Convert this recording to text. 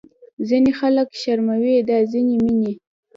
ځینې خلک شرموي دا ځینې مینې